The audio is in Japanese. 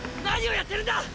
何をやってるんだ